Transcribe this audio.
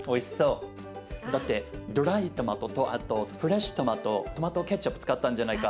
だってドライトマトとあとフレッシュトマトトマトケチャップ使ったんじゃないか。